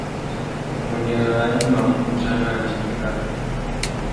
Nguêndê râā i mà mù udjana andingui râā.